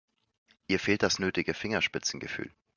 Ihr fehlt das nötige Fingerspitzengefühl.